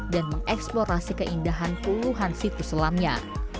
dan mengeksplorasi keindahan puluhan situs selamnya